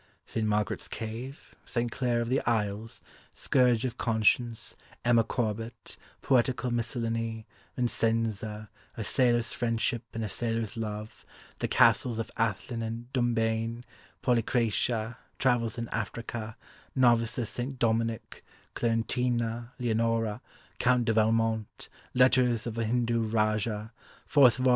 "St. Margaret's Cave; St. Claire of the Isles; Scourge of Conscience; Emma Corbett; Poetical Miscellany; Vincenza; A Sailor's Friendship and a Sailor's Love; The Castles of Athlin and Dumbayn; Polycratia; Travels in Africa; Novice of St. Dominick; Clarentina; Leonora; Count de Valmont; Letters of a Hindu Rajah; Fourth Vol.